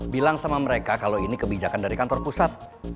bilang sama mereka kalau ini kebijakan dari kantor pusat